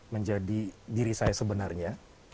menjadi diri saya sebenarnya